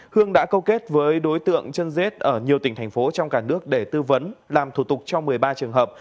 hương đã câu kết với đối tượng chân rết ở nhiều tỉnh thành phố trong cả nước để tư vấn làm thủ tục cho một mươi ba trường hợp